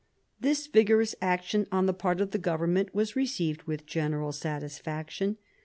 This vigorous action on the part of the government was received with general satisfaction.